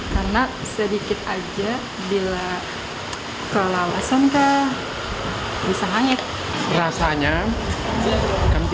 karena sedikit aja bila kelawasan bisa hangit